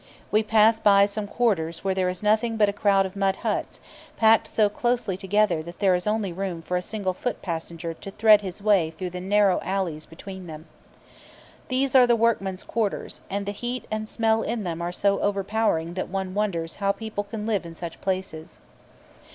We pass by some quarters where there is nothing but a crowd of mud huts, packed so closely together that there is only room for a single foot passenger to thread his way through the narrow alleys between them. These are the workmen's quarters, and the heat and smell in them are so overpowering that one wonders how people can live in such places.